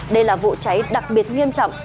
đây là vụ cháy đặc biệt nghiêm trọng